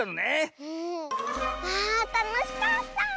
あたのしかった！